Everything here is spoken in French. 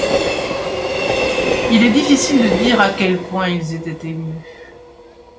Il est difficile de dire à quel point ils étaient émus